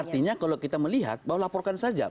artinya kalau kita melihat bahwa laporkan saja